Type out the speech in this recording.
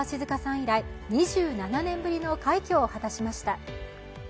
以来２７年ぶりの快挙を果たしました。